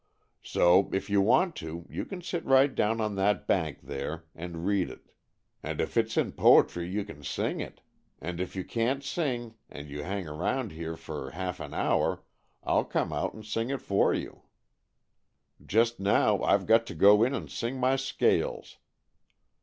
"So, if you want to, you can sit right down on that bank there and read it. And if it's in po'try you can sing it. And if you can't sing, and you hang 'round here for half an hour, I'll come out and sing it for you. Just now I've got to go in and sing my scales."